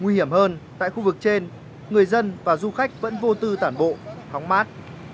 nguy hiểm hơn tại khu vực trên người dân và du khách vẫn vô tư tản bộ hóng mát